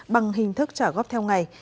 bằng hình thức trả góp theo ngày